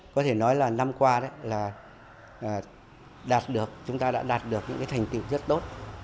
có thể nói là năm qua chúng ta đã đạt được những thành tựu rất tốt